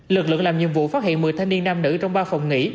lực lượng làm nhiệm vụ phát hiện một mươi thanh niên nam nữ trong ba phòng nghỉ